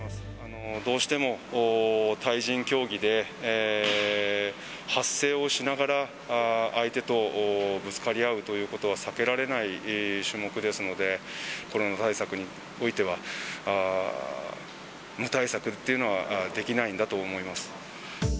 どうしても対人競技で、発声をしながら相手とぶつかり合うということは避けられない種目ですので、コロナ対策においては、無対策っていうのはできないんだと思います。